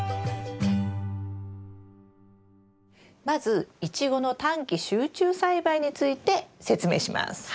まずイチゴの短期集中栽培について説明します。